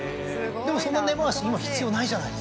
でもそんな根回し今必要ないじゃないですか。